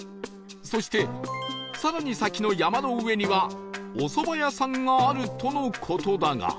そして更に先の山の上にはお蕎麦屋さんがあるとの事だが